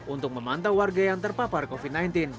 untuk memantau warga yang terpapar covid sembilan belas